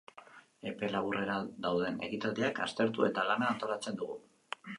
Epe laburrera dauden ekitaldiak aztertu, eta lana antolatzen dugu.